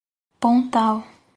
Pontal